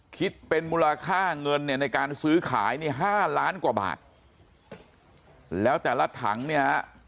คิดเป็นมูลค่าเงินเนี่ยในการซื้อขายเนี่ยห้าล้านกว่าบาทแล้วแต่ละถังเนี่ยฮะ